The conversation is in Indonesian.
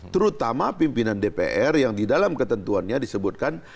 terutama pimpinan dpr yang di dalam ketentuannya disebutkan